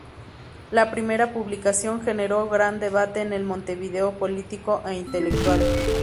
La primera publicación generó gran debate en el Montevideo político e intelectual.